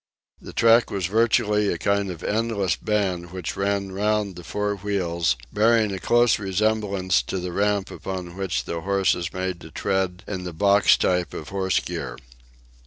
The track was virtually a kind of endless band which ran round the four wheels, bearing a close resemblance to the ramp upon which the horse is made to tread in the "box" type of horse gear.